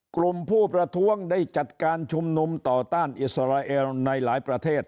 กลุ่มผู้ประท้วงได้จัดการชุมนุมต่อต้านอิสราเอลในหลายประเทศ